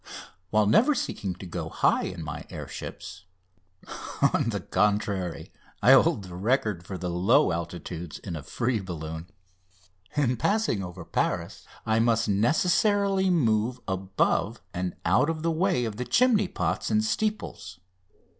While never seeking to go high in my air ships on the contrary, I hold the record for the low altitudes in a free balloon in passing over Paris I must necessarily move above and out of the way of the chimney pots and steeples.